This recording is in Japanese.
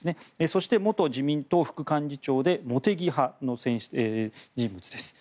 そして、元自民党副幹事長で茂木派の人物です。